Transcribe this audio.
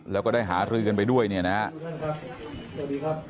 แล้วก็ได้หารือกันไปด้วยเนี่ยนะครับ